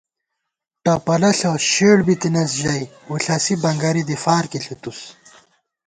ٹپَلہ ݪہ شېڑ بِتَنئیس ژَئی، وُݪَسی بنگَرِی دی فارکی ݪِتُس